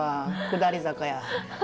下り坂や。